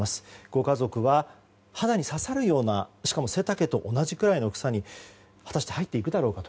ご家族は、肌に刺さるようなしかも、背丈と同じくらいの草に入っていくだろうか。